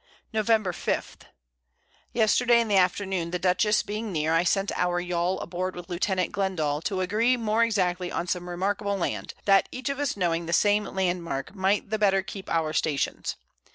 Nov. 5. Yesterday in the Afternoon the Dutchess being near, I sent our Yawl aboard with Lieut. Glendall, to agree more exactly on some remarkable Land, that each of us knowing the same Land Mark, might the better keep our Stations.